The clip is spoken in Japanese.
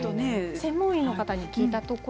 専門医の方に聞いたところ